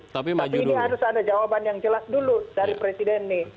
tapi ini harus ada jawaban yang jelas dulu dari presiden nih